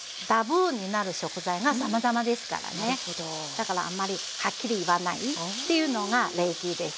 だからあまりはっきり言わないっていうのが礼儀です。